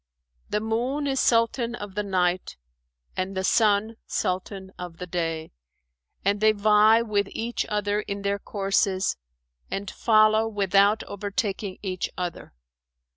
'[FN#416] The moon is Sultan of the night and the sun Sultan of the day, and they vie with each other in their courses and follow without overtaking each other.